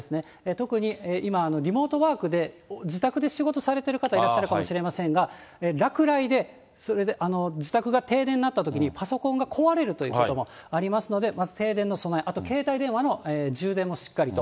特に今、リモートワークで、自宅で仕事されてる方、いらっしゃるかもしれませんが、落雷で自宅が停電になったときに、パソコンが壊れるということもありますので、まず停電の備え、あと携帯電話の充電もしっかりと。